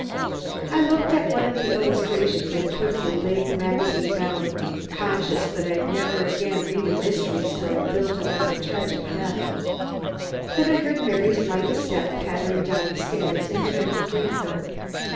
I looked at one of the illustrations and quickly laid the magazine down, conscious that I'd never again read a mystery story built around a tragic death. Then I heard Mary's light step pattering down the stairs and turned to greet her.